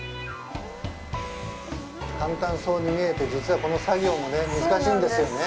簡単そうに見えて、実はこの作業も難しいんですよね？